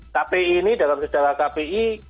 kpi ini dalam sejarah kpi